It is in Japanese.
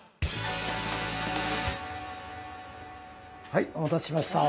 はいお待たせしました。